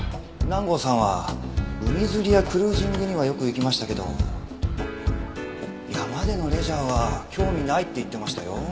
南郷さんは海釣りやクルージングにはよく行きましたけど山でのレジャーは興味ないって言ってましたよ。